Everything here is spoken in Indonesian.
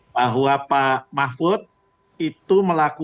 bahwa pak mahfud itu melakukan